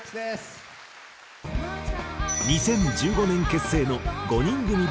２０１５年結成の５人組